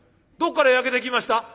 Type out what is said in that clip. どっから焼けてきました？」。